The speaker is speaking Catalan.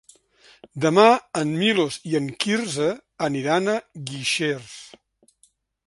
Demà en Milos i en Quirze aniran a Guixers.